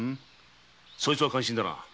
それは感心だな。